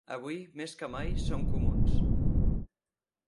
Avui, més que mai, som comuns.